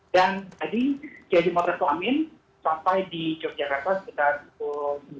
dan tadi jadi mau resulamin sampai di yogyakarta sekitar pukul sembilan